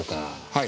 はい。